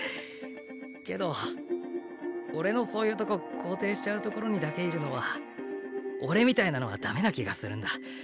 けど俺のそういうとこ肯定しちゃう所にだけいるのは俺みたいなのはダメな気がするんだ。